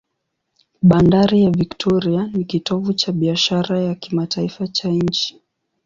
Bandari ya Victoria ni kitovu cha biashara ya kimataifa cha nchi.